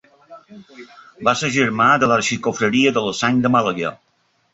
Va ser germà de l'Arxiconfraria de la Sang de Màlaga.